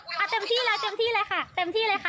อ๋อเหรอคะอ่าเต็มที่แล้วเต็มที่เลยค่ะเต็มที่เลยค่ะ